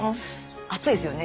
暑いですよね。